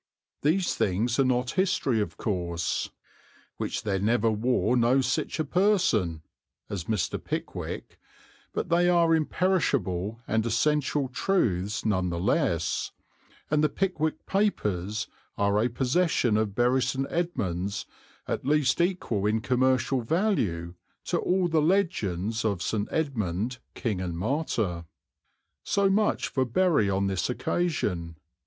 These things are not history of course, "which there never war no sich a person" as Mr. Pickwick, but they are imperishable and essential truths none the less, and the Pickwick Papers are a possession of Bury St. Edmunds at least equal in commercial value to all the legends of St. Edmund, King and Martyr. So much for Bury on this occasion.